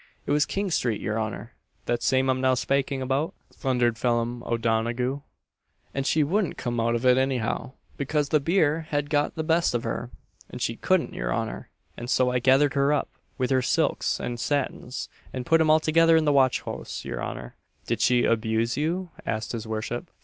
"It was King street, your honour, that same I'm now spaking about," thundered Phelim O'Donaghue, "and she wouldn't come out of it anyhow, becase the beer had got the best of her, an' she couldn't, your honour; an' so I gathered her up, with her silks an' satins, an' put 'em altogether in the watch house, your honour." "Did she abuse you?" asked his worship.